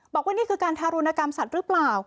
บอกว่านี่คือการทารุณกรรมสัตว์หรือเปล่า